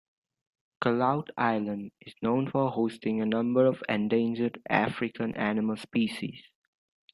Calauit Island is known for hosting a number of endangered African animal species.